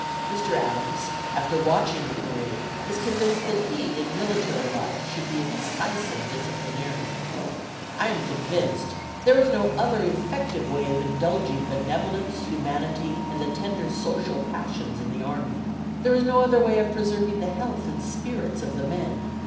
Mr. Adams, after watching the parade, is convinced that he, in military life, should be a decisive disciplinarian. "I am convinced there is no other effective way of indulging benevolence, humanity, and the tender social passions in the army. There is no other way of preserving the health and spirits of the men.